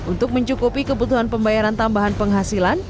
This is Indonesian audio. untuk mencukupi kebutuhan pembayaran tambahan penghasilan